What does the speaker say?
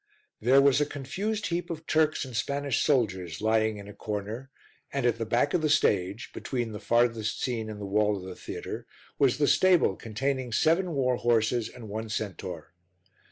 There was a confused heap of Turks and Spanish soldiers lying in a corner, and at the back of the stage, between the farthest scene and the wall of the theatre, was the stable containing seven war horses and one centaur.